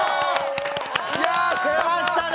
出ましたね。